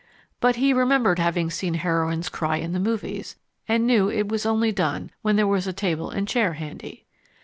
But he remembered having seen heroines cry in the movies, and knew it was only done when there was a table and chair handy.